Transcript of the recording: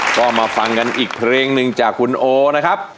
ก็มาฟังกันอีกเพลงหนึ่งจากคุณโอนะครับ